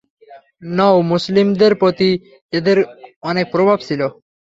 নও মুসলিমদের প্রতি এদের অনেক প্রভাব ছিল।